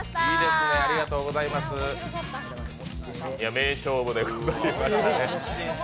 名勝負でございましたね。